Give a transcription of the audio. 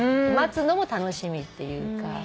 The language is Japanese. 待つのも楽しみっていうか。